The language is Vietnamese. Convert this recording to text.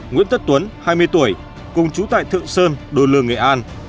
nguyễn tất tuấn hai mươi tuổi cùng chú tại thượng sơn đô lương nghệ an